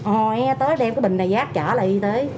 oe tới đem cái bình này giác trả là y tế